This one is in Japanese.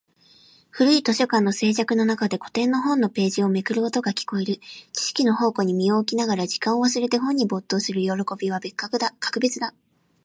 古い図書館の静寂の中で、古典の本のページをめくる音が聞こえる。知識の宝庫に身を置きながら、時間を忘れて本に没頭する喜びは格別だ。